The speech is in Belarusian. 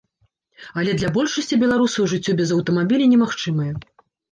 Але для большасці беларусаў жыццё без аўтамабіля немагчымае.